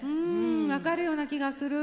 分かるような気がする。